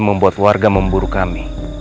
membuat warga memburu kami